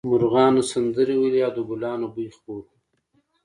مرغانو سندرې ویلې او د ګلانو بوی خپور و